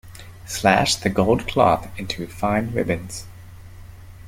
Slash the gold cloth into fine ribbons.